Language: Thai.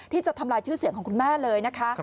ที่จะทำลายชื่อเสียงของคุณแม่เลยนะคะ